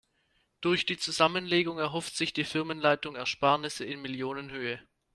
Durch die Zusammenlegung erhofft sich die Firmenleitung Ersparnisse in Millionenhöhe.